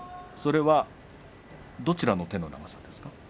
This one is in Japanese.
それはどちらの手の長さですか。